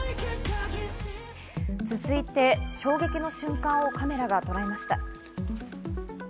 続いて衝撃の瞬間をカメラがとらえました。